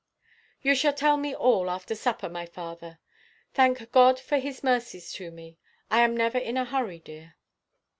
"You shall tell me all after supper, my father. Thank God for His mercies to me. I am never in a hurry, dear."